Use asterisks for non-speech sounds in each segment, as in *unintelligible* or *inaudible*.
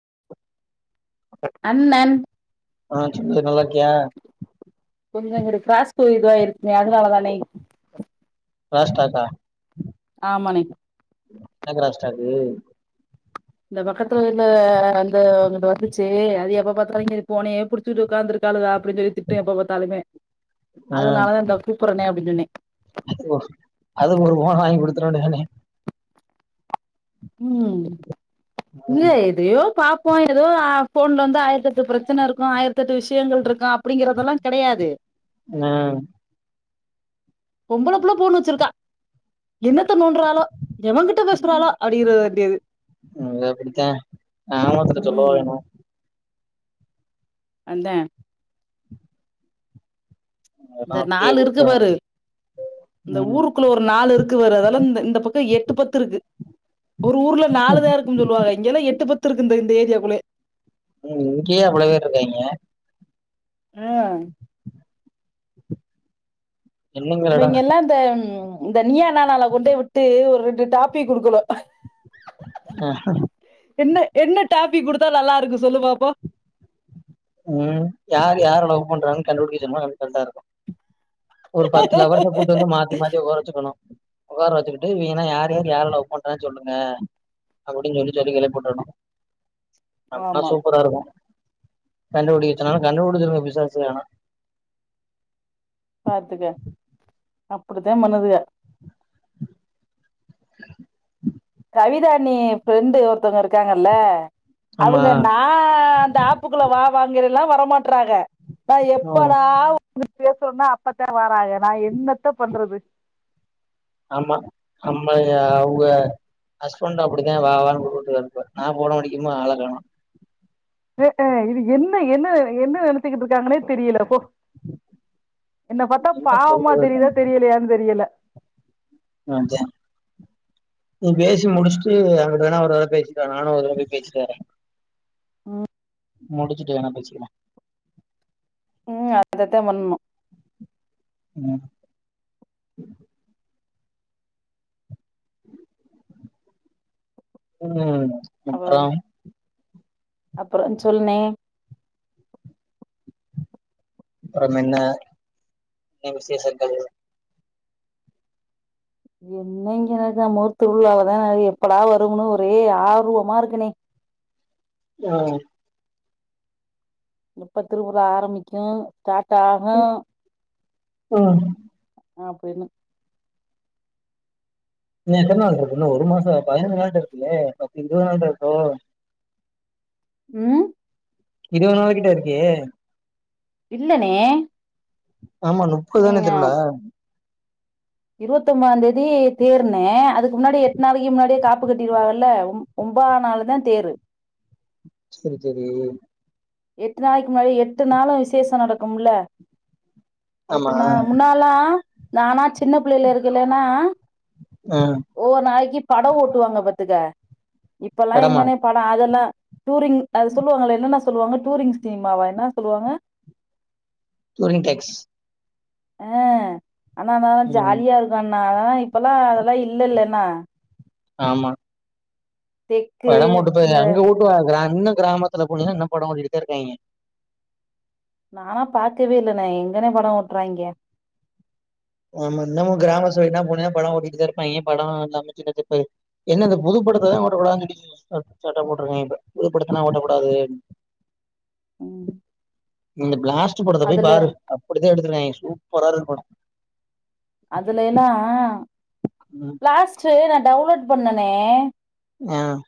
*inaudible* அண்ணண் ஆஹ் நல்லா இருக்கியா கொஞ்சம் இங்கிட்டு கிராஸ் சோ இதுவா இருக்கு அதனால தானே பாஸ்டாக்கா அ மணி உம் இந்த பக்கத்துல இருந்த அந்த அங்கிட்டு வந்துச்சு அது எப்ப பாத்தாலுமே ஃபோனே புடிச்சுட்டு உட்காந்து இருக்காலுக அப்படின்னு சொல்லி திட்டும் எப்ப பாத்தாலுமே அதனாலதான் இத கூப்பிடறேனே அப்படின்னு சொன்னேன் *inaudible* அதுவா அதுக் ஒரு ஃபோன் வாங்கி குடுத்திட வேண்டியதானே உம் இல்ல எதையோ பாப்போம் ஏதோ ஆ ஃபோன் வந்தா ஆயிரத்தட்டு பிரச்சனை இருக்கும் ஆயிரத்தெட்டு விஷயங்கள் இருக்கும் அப் அப்படிங்கறதெல்லாம் கிடையாது ஆ ஆ பொம்பள புள்ள ஃபோண்ணு வச்சிருக்கா என்னத் த நோன்றலோ எவங்கிட்ட பேசுறாளோ அப்டி ராரு பேரு அது அப்படித்தான் கிராமத்துல சொல்லவா ம் வேணும் வந்தேன் அதெல்லா இந்த அப்படியே நாலு இருக்கு விட்ரணு பாரு இந்த ம் ஊருக்குள்ள ஒரு நாலு இருக்கு பாரு அதெல்லாம் இந்த இந்த பக்கம் எட்டு பத்து இருக்கு ஒரு ஊர்ல நாலு ம் தான் இருக்குன்னு சொல்லுவாங்க இங்கல்லாம் எட்டு பத்து இருக்கு இந்த இந்த ஏரியாக்குள்ளயே உம் இங்கயே அவ்வளவு பேர் இருக்காங்ங உம் என்னங்கலடா மிங்க எல்லாம் இந்த உம் இந்த நீயா நானால கொண்டே விட்டு ஒரு ரெண்டு டாப்பிக் குடுக்கணும் ஆஹ என்ன என்ன டாபி கொடுத்தா நல்லா இருக்கு சொல்லு பாப்போ உம் யாரு யார லவ் பண்றான் கண்டுபிடிக்க சொன்னா கரைட்டா இருக்கும் ஒரு பத்து லவ்வர்ஸ கூட்டு வந்து மாத்தி மாத்தி உகார வச்சுக்கணும் உக்கார வச்சுகிட் இவஞளா யாரு யாரலவ் பண்ற சொல்லுங்க அப்டின்னு சொல்லி சொல்லி கெலப்பி விட்ரணும் அப்னா ஆமா சூப்பரா இருக்கும் கண்டுபிடிக்கச்சொன்னாலும் கண்டுபிடிச்சுருங்க பிசாசுங்க ஆனா பாத்துக்க அப்டிதான் பன்னுதுக கவிதாஅண்ணி ஃப்ரெண்டு ஒருத்தவுங்க இருக்காங்கல்ல ஆமா அவுங்க நான் அந்த ஆப்புக்குள்ள வா வாங்கறல்லாம் வர மாட்றாக ந ம் எப்படா வ பேசறோனா அப்பத்தான் வாராக நான் என்னத்த பண்றது ஆம்மா அம்மா அவுக ஹஸ்பண்ட் அப்டிதான் வா வான்னு கூப்டுட்டு த இருப்ப நான் போன அடிக்குமோ ஆளை காணோம் ஹ இது என்ன என்ன என்ன நினைச்சுகிட்டு இருக்காங்கன்னே தெரியல போ என்ன பாத்தா பாவமா சொல்றது நம்ம? தெரியுதா தெரியலையான்னு தெரியல நீ பேசி முடிச்சுட்டு அங்கிட்ட வேணா ஒரு தடவ பேசிட்டுவா நானும் ஒருதடவபோய் பேசிட்டிவறேன் உம் முடிச்சுட்டு வேனா பேசிக்கலா உம் அதத்தான் பண்ணணும் உம் *inaudible* உம் அப்றம் அப்புறம் சொல்னே அப்புறம் என்ன என்ன விசேஷங்கள் என்னங்க நம்மவூர் திருவுழாலவுதான் எப்படா வருன்னு ஒரே ஆர்வமா இருக்குனே உம் எப்ப திருவிழா ஆரம்பிக்கும் ஸ்டாட்ஆகும் உம் ஆஹ் போய் நீ எத்தனை நாள் இருக்கு இன்னும் ஒரு மாசம் பதினைந்து நாள் இருக்குல்லே பத்த இருபது நாள் இருக்கோ உம் இருவதுனாள் கிட்ட இருக்கே இல்லனே *inaudible* ஆமா முப்பது தானே திருவிழா இருபத்தி தொம்பதாம் தேதி தேர்னே அதுக்கு முன்னாடி எட்டு நாளைக்கு முன்னாடியே காப்பு கட்டிருவாங்கல்ல ஒம்பதாம் நாள் தான் தேரு சேரி சேரி எட்டு நாளைக்கு முன்னாடி எட்டு நாளும் விசேஷம் நடக்கும்ல ஆமா எட்டுனா முன்னாளா நானா சின்ன பிள்ளைையில இருக்கல்லன்னா ம் ஒவ்வொரு நாளைக்கு படம் ஓட்டுவாங்க பாத்துக்க இப்பல்லாம் வடமா எங்கனே படம் அதெல்லா டூரிங் அது சொல்லுவாங்க என்னன்னா சொல்லுவாங்க டூரிங் ஸீனிமாவா என்ன சொல்லுவாங்க டூரிங் டேக்ஸ் ஆஹ் ஆனா அதான் ம் ஜாலியா இருக்கும் அதெல்லாம் இப்பல்லாம் அதெல்லாம் இல்லல்லன்னா ஆமா தெக்கு படம்போட்டு போது இந்த அங்க ஓட்டுவாம இன்னும் கிராமத்துல போணின்னா இன்னும் படம் ஓட்டிகிட்டே தான் இருக்காங்கே நானா பாக்கவே இல்லனே எங்கனே படம் ஓட்றாங்கே நம்ம இன்னுமும் கிராம சைடு போனன்னா படம் ஓட்டிட்டு தான் இருப்பாங்கே படம் மைச்சு என்ன இந்த புது படத்தை தான் ஓட்டக்கூடாது சட்டம் போட்டிருக்காங்கே இப்ப புதுப்படத்தைல்லாம் ஓட்டக்கூடாது ம் இந்த பிளாஸ்ட் டு படத்தை போய் அதுல பாரு அப்படி தான் எடுத்துருக்காங்கே *unintelligible* அதுல எல்லாம் ம் பிலாஸ்ட்டு ந டவுன்லோட் பண்ணுணனே ஆஹ்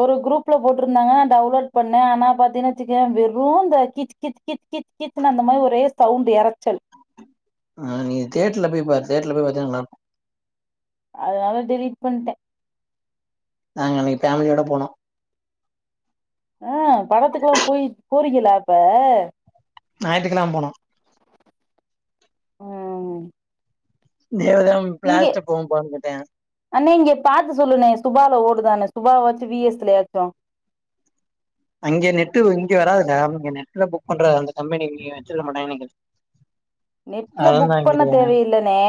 ஒரு குரூப்ல போட்டிருந்தாங்கா டவுன்லோட் பண்ணேன் ஆனா பாத்தீங்கன்னா வச்சுகோயேன் வெறும் இந்த கி கித் கித் கித் கித் அந்த மாதிரி ஒரே சவுண்ட் இரைச்சல் ஆஹ் நீ தேட்ருல போய் பாரு தேட்ருல போய் பாத்தீங்க நல்லாருக்கும் அதனால டெலீட் பண்ணிட்டேன் நாங்க நீ ஃபேமிலியோட போனோம் ஆஹ் படத்துக்குெல்லாம் போய் போறீங்கலா அஹ் ஞாயித்துக்கிழமை போனோம் ம் தேவதம் இங்கே பிளாஸ்ட்ட போகும் போங்கிட்டேன் அண்ணே இங்க பாத்து சொல்லுனே சுபால ஓடுதான்னு சுபாவை வாச்சும் விஎஸ்லயாச்சும் அங்க நெட்டு இங்க வராதுங்க நெட்டுல புக் பண்றது அந்த கம்பெனி வச்சிருக்கமாட்டாங்க நெனக்கிறேன் நெட்ல அத புக் பண்ண தான்ங்கிறியா தேவையில்லண்ணே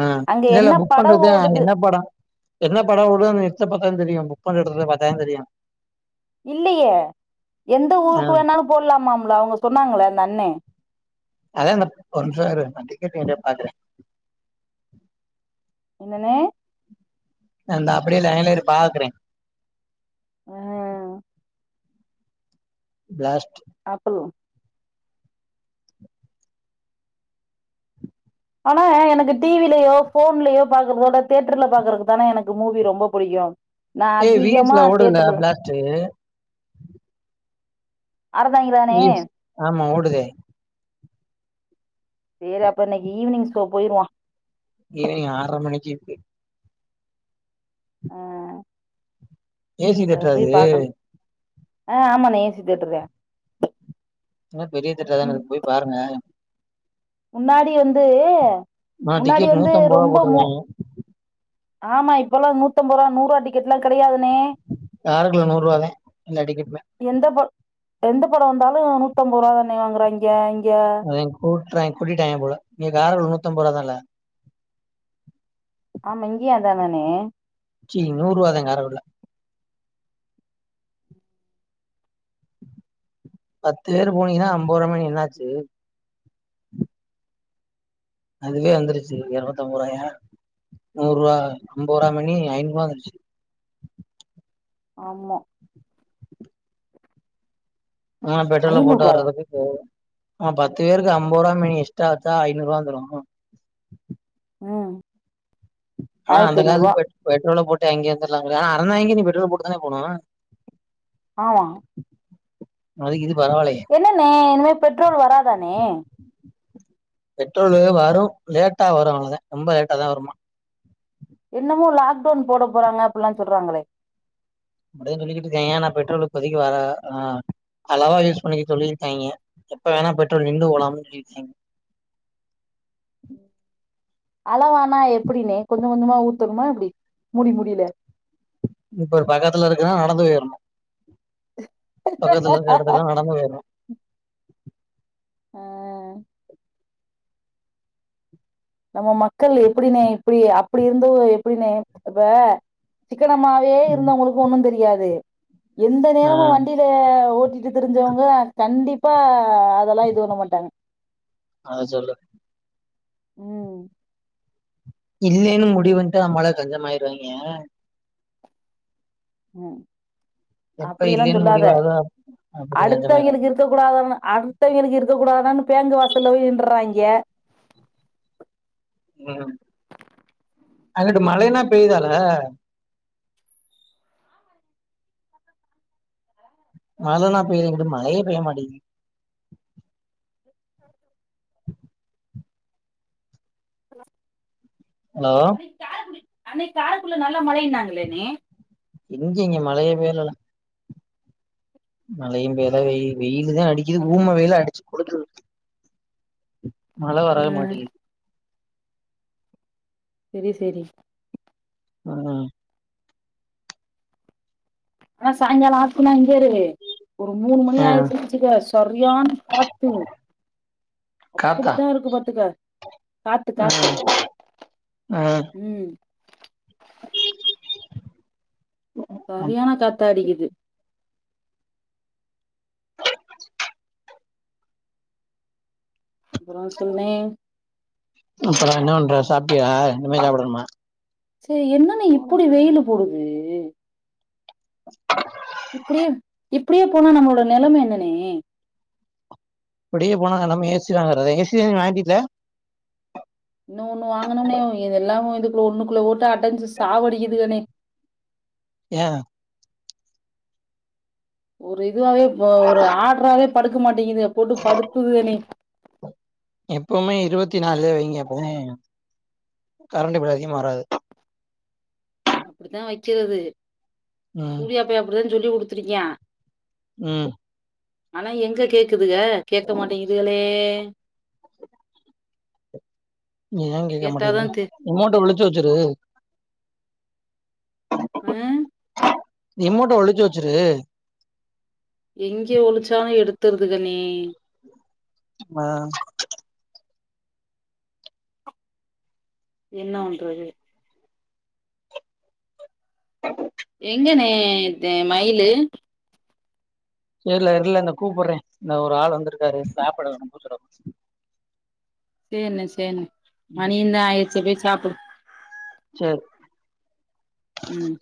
ஆஹ் அங்க இ இல்ல என்ன புக் பட பண்றது ஓடுது என்ன படம் என்ன படம் ஓடுது லிஸ்டா பாத்தாதான் தெரியும் புக் பண்ண எடத்துல பாத்தாதான் தெரியும் இல்லயே எந்த ஊருக்கு வேணாலும் போடலாமாம்லா அவங்க சொன்னாங்கள அந்த அண்ணே அதான்ந்த கொஞ்சம் இரு டிக்கெட் வழியா பாக்குறேன் என்னனே அந்த அப்டி லைன்லியே இரு பாக்குறேன் ம் ப்ளாஸ்ட் அப்பல் ஆனா எனக்கு டிவிலயோ போன்லயோ பாக்குறதோட தி யேட்டர்ல பாக்குறக்கு தானே எனக்கு மூவி ரொம்ப பிடிக்கும் ஏய் விஎஸ்ல ஓடுதுல பிளாஸ்ட்ட் அறதாங்கதானே விஎஸ் ஆமா ஓடுதே சரி அப்ப இன்னைக்கு ஈவினிங் ஸோ போயிருவோம் ஈவினிங் ஆறர மணிக்கு இருக்கு ஆ ஏசி தேட்டர அது ஆஹ் ஆமா நெ ஏசிதேட்டர்தான் என்ன பெரிய தேட்டர் தானே போய் பாருங்க முன்னாடி வந்து ஆஹ முன்னாடி டிக்கெட் வந்து நூத்து அம்பது ரூபாய் ரொம்ப போட்டு மு இருக்காங்கே ஆமா இப்பலாம் நூத்தம் ரூபா நூறு ருபாய் டிக்கெட் எல்லாம் கெடையாது காருக்குள்ள நூறு ரூவாதான் எல்லா டிக்கெட்டுமே எந்த ப எந்த படம் வந்தாலும் நூத்தம்பது ரூபா தானே வாங்குறா இங்க அத கூட்றாங் கூட்டிட்டாங்க போல இங்க காருல நுத்திஅம்பரூபா தள ஆமா இங்கயும் அதனா நே ச்சி நூறு ரூபா தா காரக்குடில பத்து பேரு போனீங்கன்னா அம்பதுரூபா மேனி என்னாச்சு அதுவே வந்துருச்சு இரநுத்தி அம்பது ரூபாய நூறு ரூபா ஐம்பது ரூபாய் மேணி ஐநூறு ரூபாய் வந்துருச்சு ஆமா *unintelligible* பெட்ரோல போட்டு ஐநூறுவாயா வர்றதுக்கு போ ஆஹ பத்து பேருக்கு அம்பது ரூபா மேனி இஷ்டா வச்சா ஐநூறு ரூபாந்துரும் உஹம் ஆஹ அந்த காலத்து பெட்ரோல போட்டு அங்கய வந்துலாமபோலா ஆனா அறந்தாங்கய நீ பெட்ரல் போட்டுதானே போனும் ஆமா அதுக் இது பரவாயில்லையே என்னன்னே இனிமே பெட்ரோல் வராதானே பெட்ரோல வரும் லேட்டா வரும் அவளதான் ரொம்ப லேட்டா தான் வருமா என்னமோ லாக்டவுன் போட போறாங்க அப்படிலாம் சொல்றாங்களே அப்படிதா சொல்லிக்கிட்டு இருக்காங்க ஆனா பெட்ரோலுக்கு இப்போதிக்கு வர ஆஹ் அளவா யூஸ் பண்ணிக்க சொல்லியிருக்காங்க எப்ப வேணா பெட்ரோல் நின்று போலாம்னு சொல்லியிருக்காங்க அளவானா எப்படனே கொஞ்சம் கொஞ்சமா ஊத்தணுமா எப்படி முடி முடியில இப்ப பக்கத்துல இருக்குன்னா நடந்து போயிடணு பக்கத்துல இடத்துகல நடந்து போயிடும் ஆ நம்ம மக்கள் எப்படனே இப்படி அப்படி இருந்தோ எப்படனே இப்ப சிக்கனமாவே ம் இருந்தவங்களுக்கு ஒன்னும் தெரியாது எந்த ஆ நேரமும் வண்டியில ஓ ட்டு தெரிஞ்சவங்க கண்டிப்பா அதெல்லாம் இது பண்ண மாட்டாங்க அத சொல்லு உம் இல்லலைன்னு முடிவுன்ட்டு நம்மள கஞ்சமாயிருவாங்க உம் எப்ப அப்படியெல்லாம் இல்லேன்னு சொல்லாத முடிவாகுதோ அப்ப கஞ்சமாயிருவாய்ங்க அடுத்தவங்களுக்கு இருக்கக்கூடாத அடுத்தவங்களுக்கு இருக்கக்க கூடாத என்னனு பேங்கு வாசலய் நின்றாங்க உம் அ இந்த மழைனா பெயுதால மழனா பேய்தாங்குடு மழையே பெய்ய மாட்டேது *inaudible* சொல்லா ஹலோ அன்னைக்கு காரக்குள்ள நல்லா மழைனாங்களேனே ஏங்க இங்க மழைய பேயலலா மழைய்யு பேய்தா வெய வெயிலுதான் அடிக்குது ஊம வெயில அடிச்சு கொடுத்து மழை வரவே ம் மாடியது சேரி சேரி உம் ஆனா சாய்ங்கால ஆச்சுனா *unintelligible* ஒரு மூணு மணி ஆ ஆயிச்சுச்சுக்க சரியான்னு காத்து காத்தா அப்படித்தான் இருக்கு பாத்துக்க காத்து ஆ காத்து ஆ உம் சரியான கத்த அடிக்குது அப்புறம் சொல்னே சாப்பிட்யா இனிமே சாப்பிடணுமா சேரி என்னன்ன இப்படி வெயிலு போடுது *inaudible* இப்படியே இப்படியே போனா நம்மளோட நிலம என்னன்னே இப்படியே போனாங்க நம்ம ஏசி வாங்கறத ஏசிலா வாங்கிட்ல இன்னும் ஒண்ணு வாங்கணும்னே இத எல்லாமே குள்ள ஒண்ணுக்குள்ளே ஓட்டு அடைஞ்சு சாவடிக்குதுகனே ஏன் ஒரு இதுவாவே ஒரு ஆட்ராவே படுக்க மாட்டேங்குதுக போட்டு படுத்துகனே பத்தி நாலுல கரண்ட் பில் அதிகமா வராது அப்புடித்தான் வைக்கிறது ம் சூர்யாப்பா அப்படிதான் சொல்லி் கொடுத்துருக்கியான் உம் ஆனா எங்க கேக் துக கேட்க மாட்டேங்குதுகளே ஏன் கேக்க கேட்டாதா மாட்டேங்துக தெ ரிமோட்ட உள்ள தூக்கி வச்சிரு ஹம் ரிமோட்ட ஒழிச்சு வச்சுரு எங்க ஒளிச்சாலும் எடுத்துருதுகனே ஆஹ் என்ன பண்றது *inaudible* எங்கனே மைலு சேரில இருல இந்த கூப்பிடுறேன் இந்த ஒரு ஆள் வந்திருக்காரு சாப்பாடு வேனு கூச்சிட சேர்னே சேர்னே மனியுந் ஆயி ச போய்சாப்புடு செரி உம்